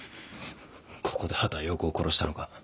ここで畑葉子を殺したのか？